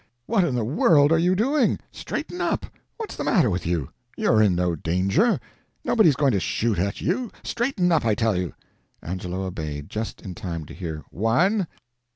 "What in the world are you doing? Straighten up! What's the matter with you? you're in no danger nobody's going to shoot at you. Straighten up, I tell you!" Angelo obeyed, just in time to hear: "One